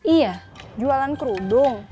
iya jualan kerudung